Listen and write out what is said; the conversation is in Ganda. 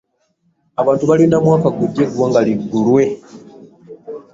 Abantu balinda mwaka gugya eggwanga ligulwe.